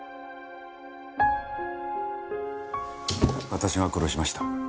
私が殺しました。